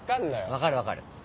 分かる分かる。